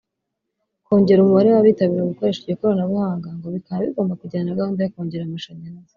Kongera umubare w’abitabira gukoresha iryo koranabuhanga ngo bikaba bigomba kujyana na gahunda yo kongera amashanyarazi